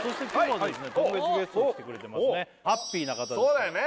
そうだよね